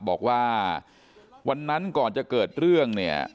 บอกว่าวันนั้นก่อนจะเกิดเรื่องเนี่ย